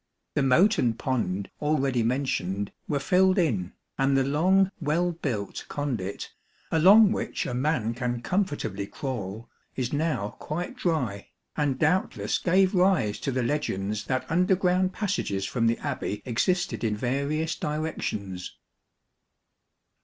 The moat and pond, already mentioned, were filled in, and the long well built conduit, along which a man can com fortably crawl, is now quite dry, and doubtless gave rise to the legends that underground passages from the Abbey existed in various directions.